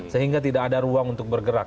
sehingga tidak ada ruang untuk bergerak